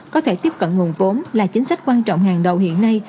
có thể tiếp cận nguồn vốn là chính sách quan trọng hàng đầu hiện nay